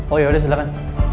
oh yaudah silakan